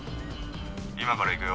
今から行くよ。